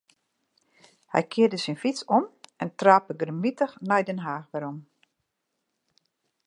Hy kearde syn fyts om en trape grimmitich nei Den Haach werom.